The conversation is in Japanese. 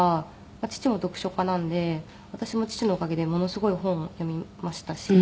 父も読書家なので私も父のおかげでものすごい本を読みましたし。